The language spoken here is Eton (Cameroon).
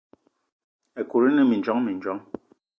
Ekut ine mindjong mindjong.